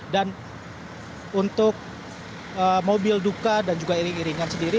dan untuk mobil duka dan juga iring iringan sendiri